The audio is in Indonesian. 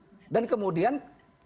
kalau tidak bisa kita mencoba itu ya